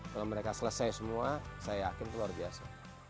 kalau mereka selesai semua saya yakin itu luar biasa